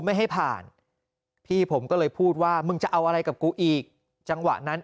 ไม่ให้ผ่านพี่ผมก็เลยพูดว่ามึงจะเอาอะไรกับกูอีกจังหวะนั้น